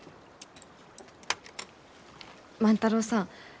万太郎さん。